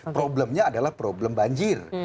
problemnya adalah problem banjir